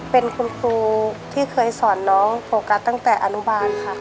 เป็นคุณครูที่เคยสอนน้องโฟกัสตั้งแต่อนุบาลค่ะ